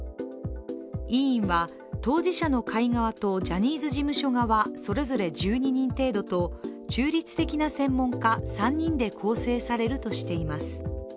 委員は、当事者の会側とジャニーズ事務所側それぞれ１２人程度と中立的な専門家３人で構成されるとしています。